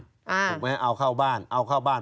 ถูกไหมเอาเข้าบ้านเอาเข้าบ้าน